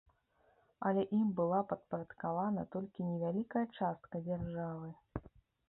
Але ім была падпарадкавана толькі невялікая частка дзяржавы.